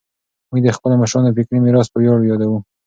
موږ د خپلو مشرانو فکري میراث په ویاړ یادوو.